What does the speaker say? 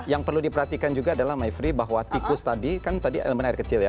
yang perlu diperhatikan juga adalah maifri bahwa tikus tadi kan tadi elemen air kecil ya